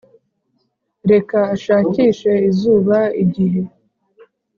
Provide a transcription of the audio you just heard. reka ashakishe izuba igihe